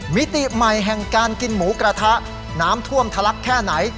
มิติใหม่แห่งการกินหมูกระทะน้ำท่วมทะลักแค่ไหน